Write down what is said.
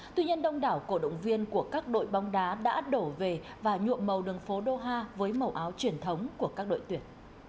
tuy nhiên đông đảo cổ động viên của các đội bóng đá đã đổ về và nhuộm màu đường phố doha với màu áo truyền thống của các đội tuyển